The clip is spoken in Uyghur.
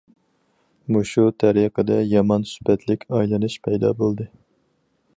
مۇشۇ تەرىقىدە يامان سۈپەتلىك ئايلىنىش پەيدا بولدى.